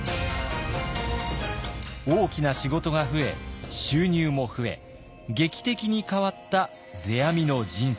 大きな仕事が増え収入も増え劇的に変わった世阿弥の人生。